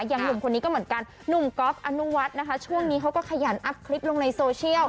อย่างหนุ่มคนนี้ก็เหมือนกันหนุ่มก๊อฟอนุวัฒน์นะคะช่วงนี้เขาก็ขยันอัพคลิปลงในโซเชียล